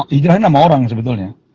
hijrah ini nama orang sebetulnya